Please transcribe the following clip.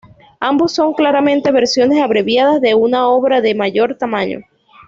Ambos son claramente versiones abreviadas de una obra de mayor tamaño.